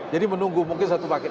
jadi menunggu mungkin satu paket